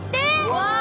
うわ！